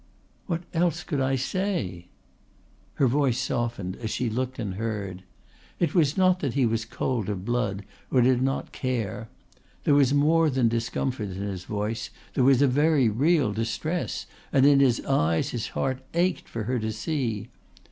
"What else could I say?" Her face softened as she looked and heard. It was not that he was cold of blood or did not care. There was more than discomfort in his voice, there was a very real distress. And in his eyes his heart ached for her to see.